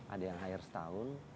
ada yang hire setahun